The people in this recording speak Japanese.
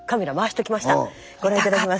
ご覧頂きます。